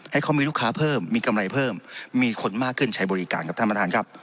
ให้เขามีลูกค้าเพิ่มมีกำไรเพิ่มมีคนมากขึ้นใช้บริการครับท่านประธานครับ